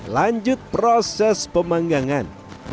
lanjut proses pemanggangan